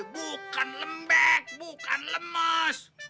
bukan lembek bukan lemes